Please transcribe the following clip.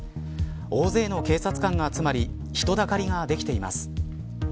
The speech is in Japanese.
大勢の警察官が集まり人だかりができています。